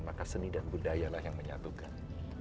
maka seni dan budaya lah yang menyatukan